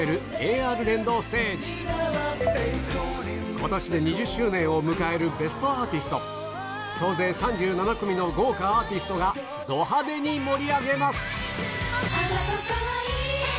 今年で２０周年を迎える『ベストアーティスト』総勢３７組の豪華アーティストがど派手に盛り上げます！